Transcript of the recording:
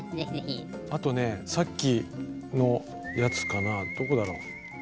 あとねさっきのやつかなどこだろう。